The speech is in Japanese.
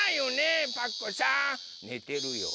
ねてるよ。